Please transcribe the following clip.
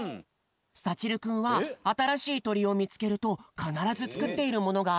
さちるくんはあたらしいとりをみつけるとかならずつくっているものがあるんだよ。